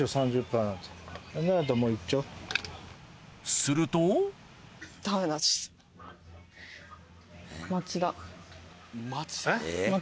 するとえっ？